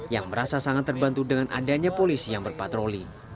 yang merasa sangat terbantu dengan adanya polisi yang berpatroli